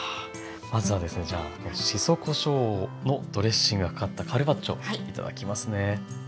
まずはですねじゃあしそこしょうのドレッシングがかかったカルパッチョ頂きますね。